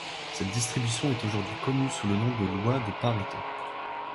Cette distribution est aujourd'hui connue sous le nom de loi de Pareto.